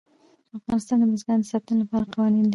افغانستان د بزګانو د ساتنې لپاره قوانین لري.